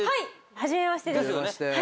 初めましてです。